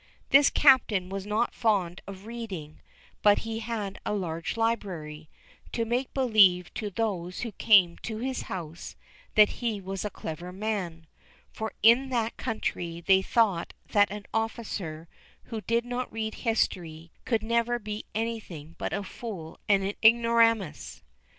This Captain was not fond of reading; but he had a large library, to make believe to those who came to his house that he was a clever man, for in that country they thought that an officer who did not read history could never be anything but a fool and an ignoramus.